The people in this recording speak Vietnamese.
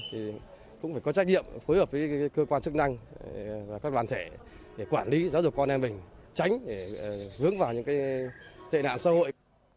thì cũng phải có trách nhiệm phối hợp với cơ quan chức năng và các đoàn thể để quản lý giáo dục con em mình tránh để hướng vào những tệ nạn xã hội